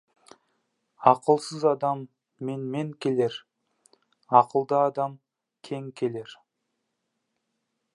Ақылсыз адам менмен келер, ақылды адам кең келер.